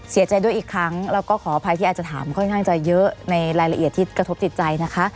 เสียใจด้วยอีกครั้งแล้วก็ขออภัยที่อาจจะถามค่อนข้างจะเยอะในรายละเอียดที่กระทบจิตใจนะคะ